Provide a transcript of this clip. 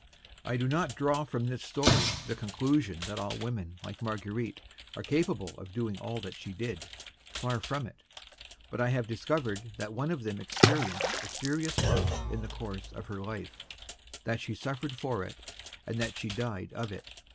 I do not draw from this story the conclusion that all women like Marguerite are capable of doing all that she did—far from it; but I have discovered that one of them experienced a serious love in the course of her life, that she suffered for it, and that she died of it.